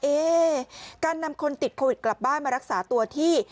เอ๊การนำคนติดโควิดกลับบ้านมารักษาตัวที่